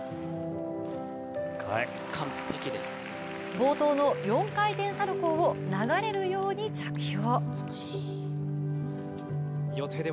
冒頭の４回転サルコウを流れるように着氷。